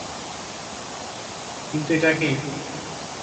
কিন্তু এটা কি?